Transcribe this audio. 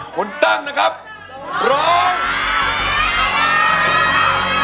คุณตั้งนะครับร้อง